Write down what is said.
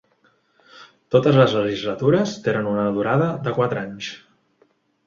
Totes les legislatures tenen una durada de quatre anys.